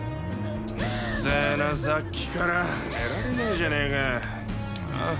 うっせえなさっきから寝られねえじゃねえかあっ？